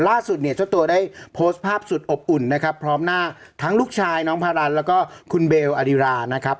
ล่าสุดเนี่ยเจ้าตัวได้โพสต์ภาพสุดอบอุ่นนะครับพร้อมหน้าทั้งลูกชายน้องพารันแล้วก็คุณเบลอดิรานะครับ